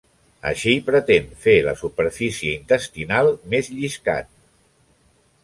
Així pretén fer la superfície intestinal més lliscant.